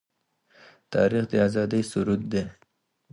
تاریخ د آزادۍ سرود دی.